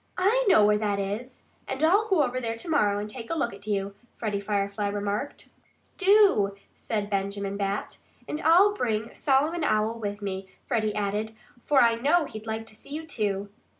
"I know where that is; and I'll go over there to morrow and take a look at you," Freddie Firefly remarked. "Do!" said Benjamin Bat. "And I'll bring Solomon Owl with me," Freddie added. "For I know he'd like to see you, too."